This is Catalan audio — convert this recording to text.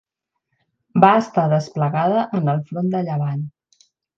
Va estar desplegada en el front de Llevant.